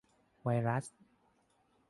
- ไวรัส